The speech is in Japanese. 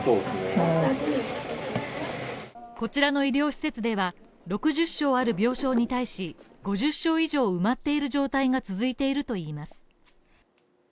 こちらの医療施設では６０床ある病症に対し、５０床以上埋まっている状態が続いているといいます。